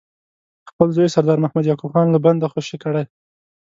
خپل زوی سردار محمد یعقوب خان له بنده خوشي کړي.